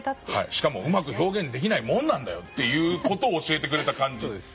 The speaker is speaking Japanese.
しかもうまく表現できないものなんだよという事を教えてくれた感じです。